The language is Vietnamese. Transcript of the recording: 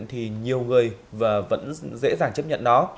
thì nhiều người vẫn dễ dàng chấp nhận nó